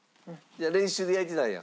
練習で焼いてたんや？